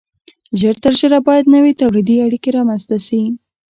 ژر تر ژره باید نوې تولیدي اړیکې رامنځته شي.